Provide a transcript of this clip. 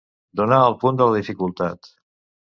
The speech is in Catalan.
Donar al punt de la dificultat.